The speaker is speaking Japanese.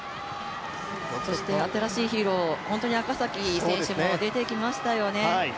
新しいヒーロー、赤崎選手も出てきましたよね。